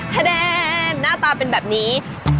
หน้าตาเป็นแบบนี้